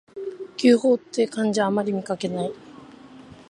牛蒡って漢字であまり見かけない